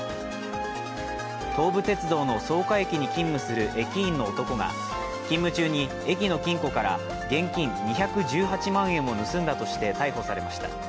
東武鉄道の草加駅に勤務する駅員の男が勤務中に駅の金庫から現金２１８万円を盗んだとして逮捕されました。